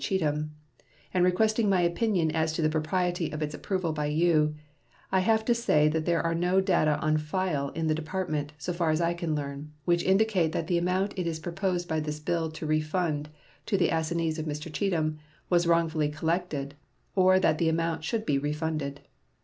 Cheatham," and requesting my opinion as to the propriety of its approval by you, I have to say that there are no data on file in the Department, so far as I can learn, which indicate that the amount it is proposed by this bill to refund to the assignees of Mr. Cheatham was wrongfully collected or that the amount should be refunded.